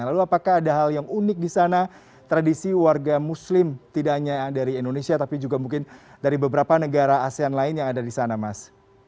lalu apakah ada hal yang unik di sana tradisi warga muslim tidak hanya dari indonesia tapi juga mungkin dari beberapa negara asean lain yang ada di sana mas